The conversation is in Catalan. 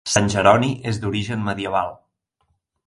Sant Jeroni és d'origen medieval.